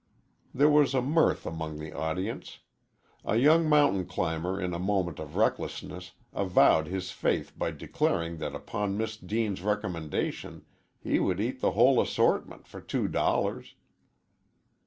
There was mirth among the audience. A young mountain climber in a moment of recklessness avowed his faith by declaring that upon Miss Deane's recommendation he would eat the whole assortment for two dollars.